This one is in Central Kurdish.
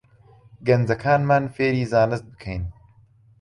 گەنجەکانمان فێری زانست بکەین